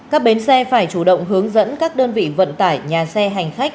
các bến xe phải chủ động hướng dẫn các đơn vị vận tải nhà xe hành khách